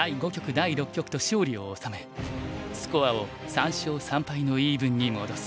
第六局と勝利を収めスコアを３勝３敗のイーブンに戻す。